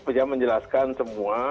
bisa menjelaskan semua